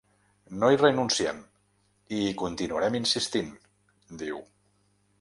No hi renunciem i hi continuarem insistint –diu–.